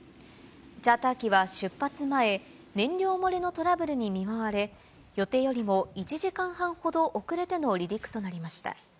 チャーター機は出発前、燃料漏れのトラブルに見舞われ、予定よりも１時間半ほど遅れての離陸となりました。